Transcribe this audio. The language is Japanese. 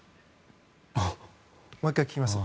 もう１回、聞きます。